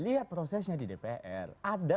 lihat prosesnya di dpr ada